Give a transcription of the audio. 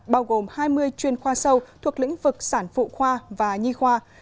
bao gồm hai mươi chuyên khoa sâu thuộc lĩnh vực sản phụ khoa và nhi khoa